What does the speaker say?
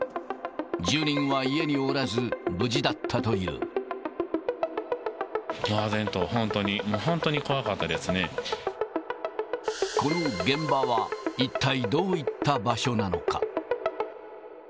住人は家におらず、無事だったとあぜんと、本当に、この現場は、一体どういった場所なのか。